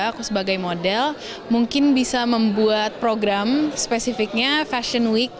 aku sebagai model mungkin bisa membuat program spesifiknya fashion week